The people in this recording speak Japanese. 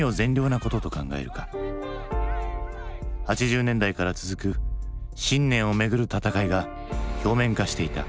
８０年代から続く信念をめぐる闘いが表面化していた。